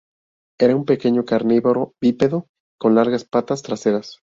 Era un pequeño carnívoro bípedo con largas patas traseras.